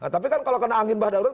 tapi kan kalau kena angin bah darurat